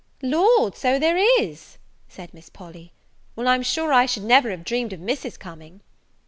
"Lord, so there is!" said Miss Polly; "well, I'm sure I should never have dreamed of Miss's coming."